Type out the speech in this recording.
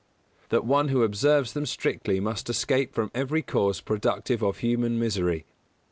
That one who observes them strictly must escape from every cause productive of human misery.